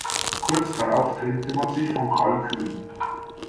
Kurz darauf trennte man sich von Karl Kühn.